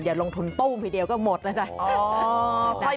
เดี๋ยวลงทุนต้มทีเดียวก็หมดนะใช่ไหม